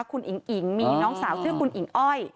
คุณอิ๋งอิ๋งมีน้องสาวชื่อคุณอิ๋งอ้อย